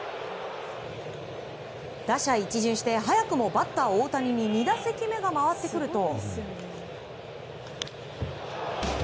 打者一巡して早くもバッター大谷に２打席目が回ってくると。